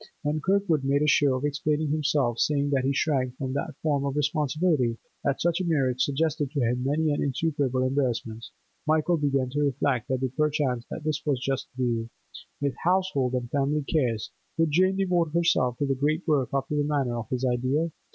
When Kirkwood made a show of explaining himself, saying that he shrank from that form of responsibility, that such a marriage suggested to him many and insuperable embarrassments, Michael began to reflect that perchance this was the just view. With household and family cares, could Jane devote herself to the great work after the manner of his ideal?